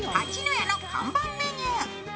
家の看板メニュー。